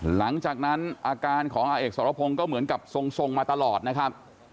หลังจากนั้นอาการของอาเอกสรพงศ์ก็เหมือนกับทรงมาตลอดนะครับ